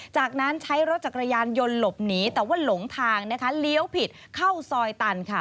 จากนั้นใช้รถจักรยานยนต์หลบหนีแต่ว่าหลงทางนะคะเลี้ยวผิดเข้าซอยตันค่ะ